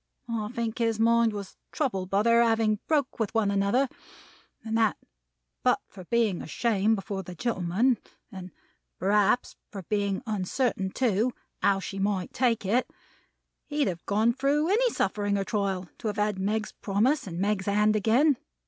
I think his mind was troubled by their having broke with one another; and that but for being ashamed before the gentlemen, and perhaps for being uncertain too, how she might take it, he'd have gone through any suffering or trial to have had Meg's promise, and Meg's hand again.